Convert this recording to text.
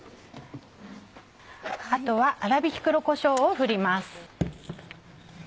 あとは粗びき黒こしょうを振ります。